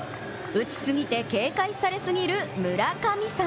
打ちすぎて、警戒されすぎる村神様。